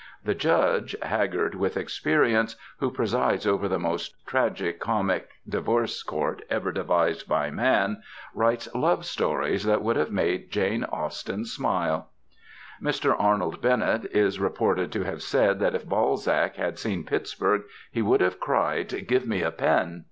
The judge, haggard with experience, who presides over the most tragi comic divorce court ever devised by man, writes love stories that would have made Jane Austen smile. Mr. Arnold Bennett is reported to have said that if Balzac had seen Pittsburgh, he would have cried: "Give me a pen!"